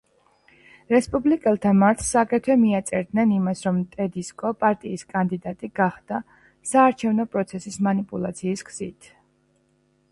რესპუბლიკელთა მარცხს აგრეთვე მიაწერდნენ იმას, რომ ტედისკო პარტიის კანდიდატი გახდა საარჩევნო პროცესის მანიპულაციის გზით.